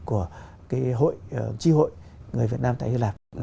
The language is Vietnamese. của chi hội người việt nam tại hy lạp